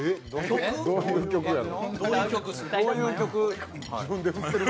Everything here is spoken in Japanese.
どういう曲やの？